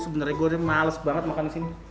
sebenernya gue udah males banget makan disini